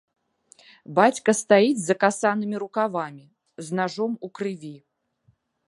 Бацька стаіць з закасанымі рукавамі, з нажом у крыві.